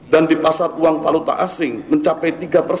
dan di pasar uang faluta asing mencapai tiga